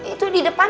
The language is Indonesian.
itu di depan